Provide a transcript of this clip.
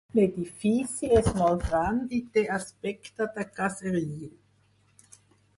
L'edifici és molt gran i té aspecte de caseriu.